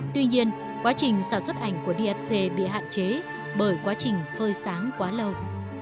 tuy nhiên quá trình sản xuất ảnh của dfc bị hạn chế bởi quá trình phơi sáng quá lâu